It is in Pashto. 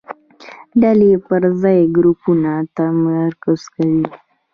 ډلې پر ځای ګروپونو تمرکز کوي.